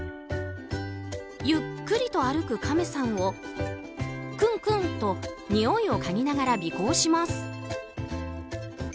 ゆっくりと歩くカメさんをクンクンとにおいをかぎながら尾行します。